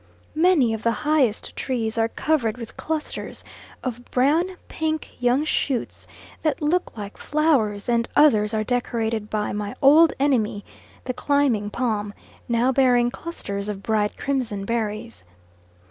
Many of the highest trees are covered with clusters of brown pink young shoots that look like flowers, and others are decorated by my old enemy the climbing palm, now bearing clusters of bright crimson berries.